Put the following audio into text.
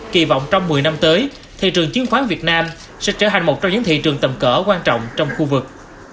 kỳ vọng trong một mươi năm tới thị trường chứng khoán việt nam sẽ trở thành một trong những thị trường tầm cỡ quan trọng trong khu vực